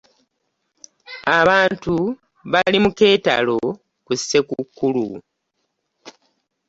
Abantu bali mu ketalo ka ssekukulu.